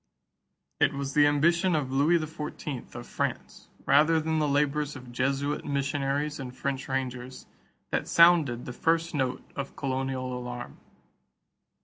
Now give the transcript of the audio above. It was the ambition of Louis XIV of France, rather than the labors of Jesuit missionaries and French rangers, that sounded the first note of colonial alarm.